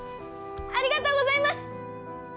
ありがとうございます！